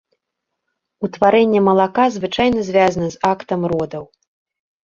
Утварэнне малака звычайна звязана з актам родаў.